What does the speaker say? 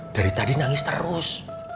dari tadi nangis terus